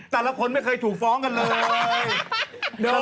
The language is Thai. แต่ละคนไม่เคยถูกฟ้องกันเลย